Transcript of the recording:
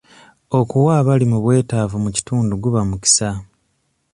Okuwa abali mu bwetaavu mu kitundu guba mukisa.